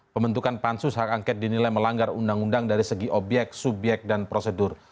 pembentukan pansus hak angket dinilai melanggar undang undang dari segi obyek subyek dan prosedur